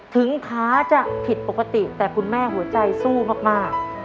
ขาจะผิดปกติแต่คุณแม่หัวใจสู้มาก